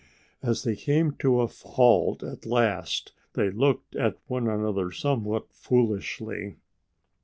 As they came to a halt at last they looked at one another somewhat foolishly.